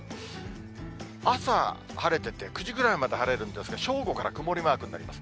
朝晴れてて、９時ぐらいまで晴れるんですが、正午から曇りマークになります。